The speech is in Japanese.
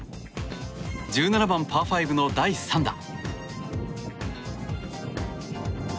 １７番、パー５の第３打。